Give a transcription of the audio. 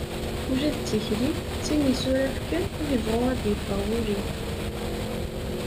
Ula d tikli sin isuraf kan ad yebɣu ad yeffeɣ wul-iw.